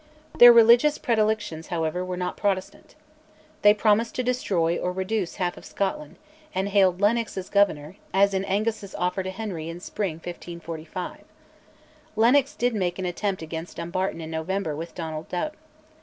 Their religious predilections, however, were not Protestant. They promised to destroy or reduce half of Scotland, and hailed Lennox as Governor, as in Angus's offer to Henry in spring 1545. Lennox did make an attempt against Dumbarton in November with Donald Dubh.